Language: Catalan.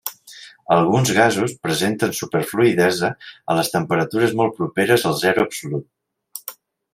Alguns gasos presenten superfluïdesa a temperatures molt properes al zero absolut.